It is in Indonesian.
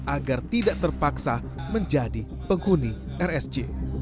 agar tidak terpaksa menjadi penghuni rsj